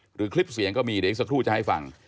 คลิปเสียงก็มีเดี๋ยวอีกสักครู่จะให้ฟัง